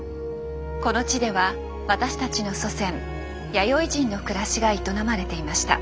この地では私たちの祖先弥生人の暮らしが営まれていました。